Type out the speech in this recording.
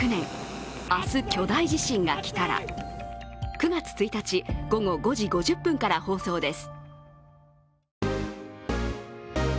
９月１日、午後５時５０分から放送です。